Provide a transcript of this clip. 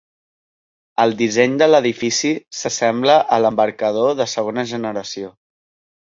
El disseny de l'edifici s'assembla a l'embarcador de segona generació.